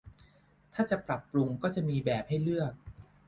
ถ้าจะปรับปรุงก็จะมีแบบให้เลือก